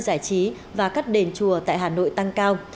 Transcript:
giải trí và các đền chùa tại hà nội tăng cao